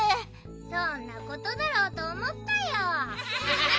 そんなことだろうとおもったよ。